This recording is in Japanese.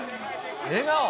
笑顔。